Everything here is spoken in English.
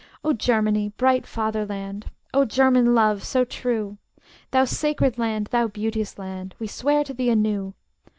O Germany, bright fatherland! O German love, so true! Thou sacred land, thou beauteous land, We swear to thee anew!